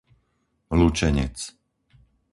Lučenec